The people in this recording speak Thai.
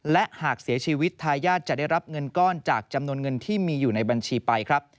และหากเสียชีวิตทายาทจะได้รับเงินก้อนจากจำนวนเงินที่มีอยู่ในบัญชีไปครับ